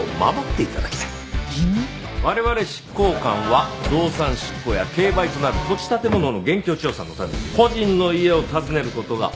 我々執行官は動産執行や競売となる土地建物の現況調査のために個人の家を訪ねる事が多くある。